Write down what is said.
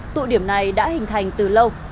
tụi điểm này đã hình thành từ lâu